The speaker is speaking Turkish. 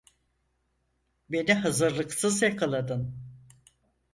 Beni hazırlıksız yakaladın.